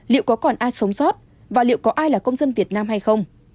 liệu có còn ai sống sót và liệu có ai là công dân việt nam hay không